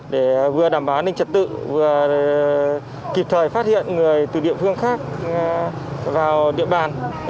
để vừa đảm bảo an ninh trật tự vừa kịp thời phát hiện người từ địa phương khác vào địa bàn